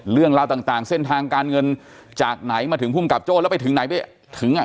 เรื่องราวต่างเส้นทางการเงินจากไหนมาถึงภูมิกับโจ้แล้วไปถึงไหนไปถึงอ่ะ